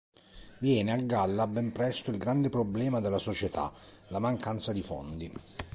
Viene a galla ben presto il grande problema della società, la mancanza di fondi.